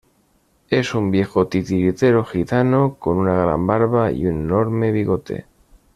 Es un viejo titiritero gitano con una gran barba y un enorme bigote.